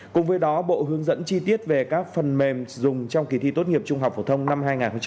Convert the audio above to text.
cùng với đó bộ hướng dẫn chi tiết về các phần mềm dùng trong kỳ thi tốt nghiệp trung học phổ thông năm hai nghìn hai mươi